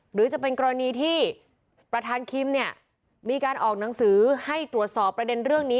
หรือจะเป็นกรณีที่ประธานคิมเนี่ยมีการออกหนังสือให้ตรวจสอบประเด็นเรื่องนี้